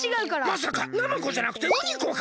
まさかナマコじゃなくてウニコか？